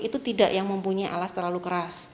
itu tidak yang mempunyai alas terlalu keras